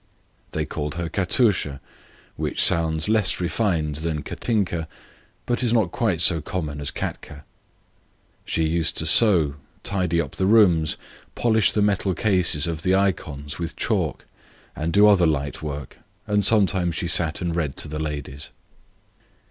They called her Katusha, which sounds less refined than Katinka, but is not quite so common as Katka. She used to sew, tidy up the rooms, polish the metal cases of the icons and do other light work, and sometimes she sat and read to the ladies.